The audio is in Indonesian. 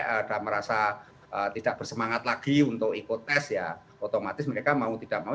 ada merasa tidak bersemangat lagi untuk ikut tes ya otomatis mereka mau tidak mau